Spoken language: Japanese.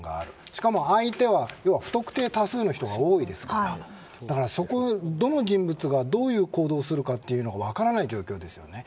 しかも相手は不特定多数の人が多いですからどの人物がどういう行動をするか分からない状況ですよね。